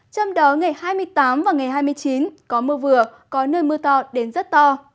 trong đó ngày hai mươi tám và ngày hai mươi chín có mưa vừa có nơi mưa to đến rất to